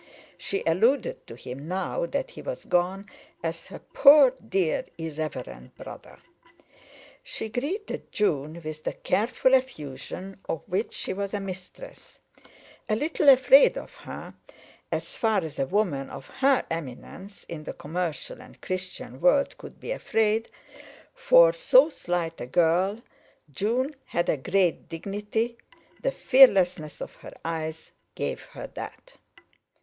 She alluded to him now that he was gone as her "poor, dear, irreverend brother." She greeted June with the careful effusion of which she was a mistress, a little afraid of her as far as a woman of her eminence in the commercial and Christian world could be afraid—for so slight a girl June had a great dignity, the fearlessness of her eyes gave her that.